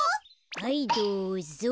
はいどうぞ。